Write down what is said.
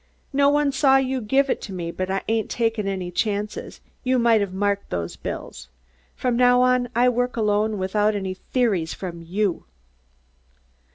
"No one saw you give it to me, but I ain't takin' any chances, you may have marked those bills. From now on I work alone without any theories from you."